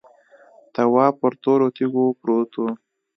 تواب پر تورو تیږو پروت و.